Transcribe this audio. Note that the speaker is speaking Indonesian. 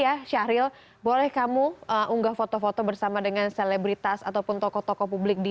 ya syahril boleh kamu unggah foto foto bersama dengan selebritas ataupun tokoh tokoh publik di